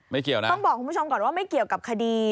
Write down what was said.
เกี่ยวนะต้องบอกคุณผู้ชมก่อนว่าไม่เกี่ยวกับคดี